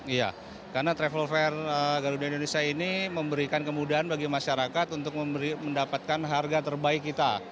iya karena travel fair garuda indonesia ini memberikan kemudahan bagi masyarakat untuk mendapatkan harga terbaik kita